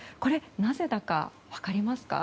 なぜだか分かりますか？